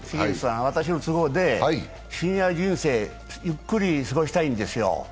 私の都合でシニア人生、ゆっくり過ごしたいんですよ。